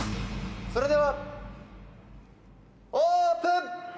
それではオープン！